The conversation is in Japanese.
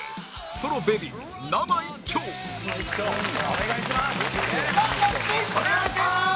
お願いします！